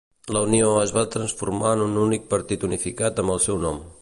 La Unió es va transformar en un únic partit unificat amb el seu nom.